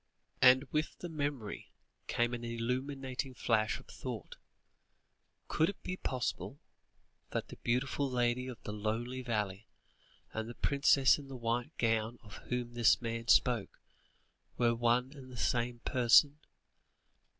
And with the memory, came an illuminating flash of thought. Could it be possible that the beautiful lady of the lonely valley, and the princess in the white gown, of whom this man spoke, were one and the same person?